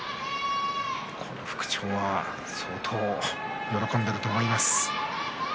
この復調は相当喜んでいると思います。